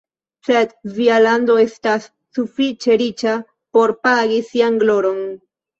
Sed via lando estas sufiĉe riĉa por pagi sian gloron.